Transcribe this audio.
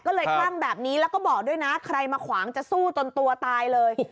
ก็เลยคลั่งแบบนี้แล้วก็บอกด้วยนะใครมาขวางจะสู้จนตัวตายเลย